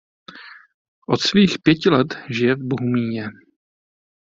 Od svých pěti let žije v Bohumíně.